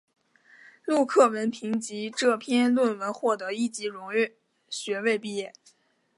陆克文凭藉这篇论文获得一级荣誉学位毕业。